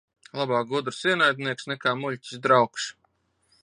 Labāk gudrs ienaidnieks nekā muļķis draugs.